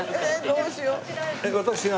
どうしよう。